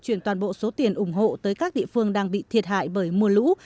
chuyển toàn bộ số tiền ủng hộ tới các địa phương đang bị thiệt hại bởi mùa lũ